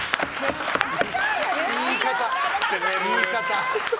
言い方。